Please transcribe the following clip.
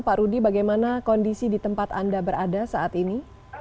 pak rudy bagaimana kondisi di tempat anda berada saat ini